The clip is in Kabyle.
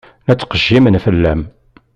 La ttqejjimen fell-am.